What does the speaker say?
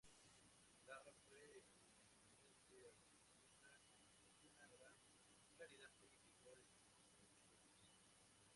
Larra fue un eminente articulista, con una gran claridad y vigor en su prosa.